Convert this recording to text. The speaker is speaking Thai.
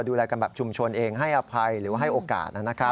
ดูแลกันแบบชุมชนเองให้อภัยหรือว่าให้โอกาส